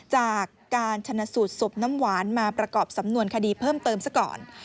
จากการชนะสูตรศพน้ำหวานมาประกอบสำนวนคดีเพิ่มเติมซะก่อน